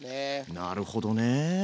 なるほどね。